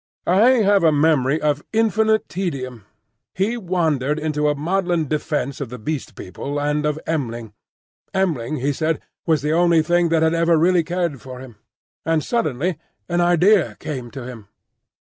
I have a memory of infinite tedium. He wandered into a maudlin defence of the Beast People and of M'ling. M'ling, he said, was the only thing that had ever really cared for him. And suddenly an idea came to him.